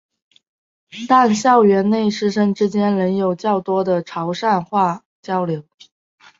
但校园内师生之间仍有较多的潮州话交流。